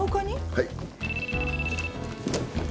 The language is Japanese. はい。